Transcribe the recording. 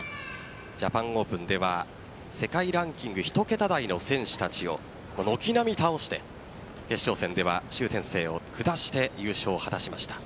ジャパンオープンでは世界ランキング１桁台の選手たちを軒並み倒して優勝を果たしました。